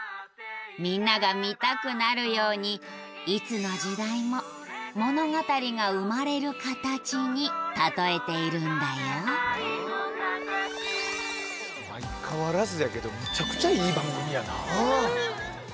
みんなが見たくなるようにいつの時代も物語が生まれるカタチに例えているんだよ相変わらずやけど観光地もな。